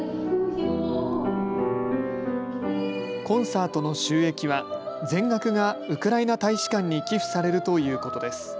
コンサートの収益は全額がウクライナ大使館に寄付されるということです。